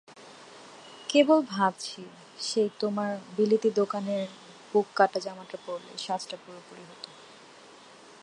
কেবল ভাবছি সেই তোমার বিলিতি দোকানের বুক-কাটা জামাটা পরলেই সাজটা পুরোপুরি হত।